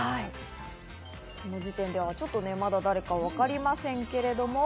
この時点ではまだ誰かわかりませんけれども。